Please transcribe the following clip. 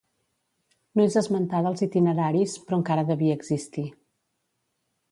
No és esmentada als Itineraris però encara devia existir.